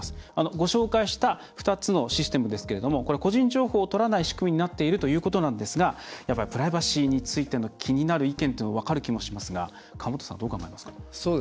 ご紹介した２つのシステムですけれどもこれ個人情報をとらない仕組みになっているということなんですがやっぱりプライバシーについての気になる意見というのは分かる気もしますが河本さん、どう考えますか？